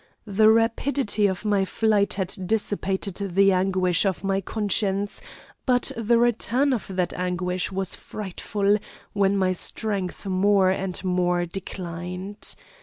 The rapidity of my flight had dissipated the anguish of my conscience, but the return of that anguish was frightful, when my strength more and more declined.